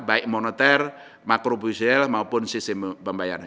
baik moneter makrobusial maupun sistem pembayaran